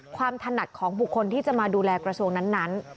ถนัดของบุคคลที่จะมาดูแลกระทรวงนั้น